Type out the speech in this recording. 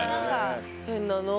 変なの。